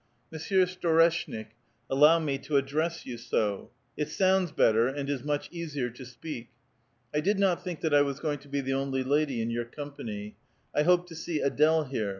" Monsieur Storeshnik ! Allow me to address you so. It sounds better and is much easier to speak. I did not think that I was going to be the only lady in .your company ; I hoped to see Ad61e here.